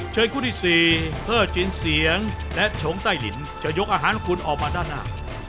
เชิญคู่ที่สี่เพื่อจินเสียงและโฉงไต้ลิ้นจะยกอาหารคุณออกมาด้านหน้า